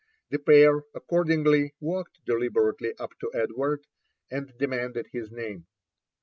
The pair accordingly walked deliberately up to Edward, and de manded his name.